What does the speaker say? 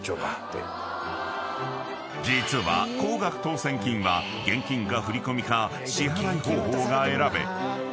［実は高額当せん金は現金か振り込みか支払方法が選べ］